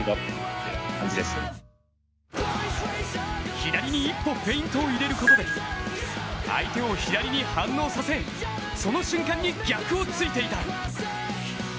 左に一歩フェイントを入れることで相手を左に反応させ、その瞬間に逆を突いていた。